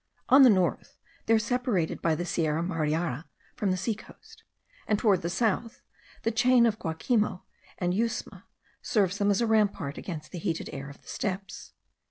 On the north, they are separated by the Sierra Mariara from the sea coast; and towards the south, the chain of Guacimo and Yusma serves them as a rampart against the heated air of the steppes.